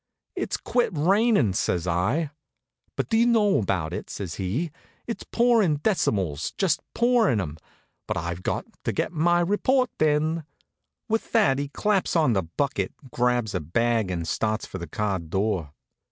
"It's quit raining," says I. "What do you know about it?" says he. "It's pouring decimals, just pouring 'em. But I've got to get my report in." With that he claps on the bucket, grabs a bag and starts for the car door.